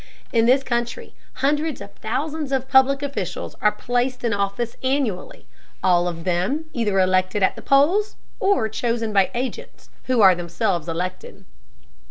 In this country hundreds of thousands of public officials are placed in office annually, all of them either elected at the polls, or chosen by agents who are themselves elected.